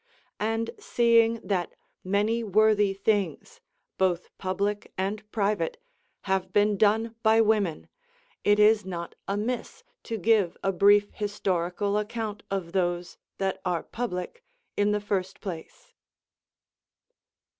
And seeing that many worthy things, both public and private, have been done by women, it is not amiss to give a brief historical account of those that are public, in the first place.